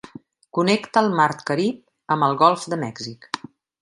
Connecta el mar Carib amb el golf de Mèxic.